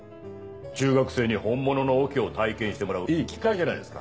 中学生に本物のオケを体験してもらういい機会じゃないですか。